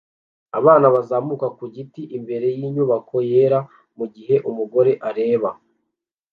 Abana bazamuka ku giti imbere yinyubako yera mugihe umugore areba